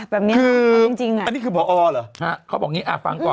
แบบนี้คือคือจริงจริงน่ะอันนี้คือหรอฮะเขาบอกอย่างงี้อ่ะฟังก่อนอืม